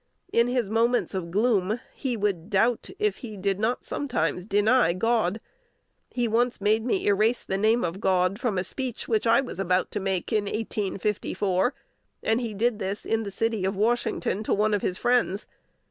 In his moments of gloom he would doubt, if he did not sometimes deny, God. He made me once erase the name of God from a speech which I was about to make in 1854; and he did this in the city of Washington to one of his friends.